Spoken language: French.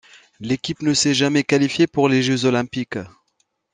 L'équipe ne s'est jamais qualifiée pour les Jeux olympiques.